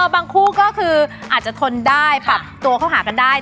คู่ก็คืออาจจะทนได้ปรับตัวเข้าหากันได้